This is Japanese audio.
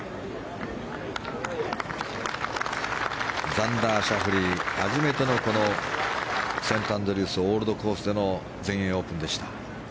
ザンダー・シャフリー初めてのこのセントアンドリュース・オールドコースでの全英オープンでした。